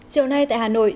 chiều nay tại hà nội